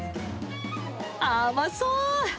甘そう！